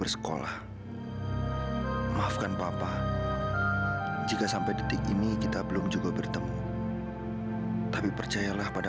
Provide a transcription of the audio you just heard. sampai jumpa di video selanjutnya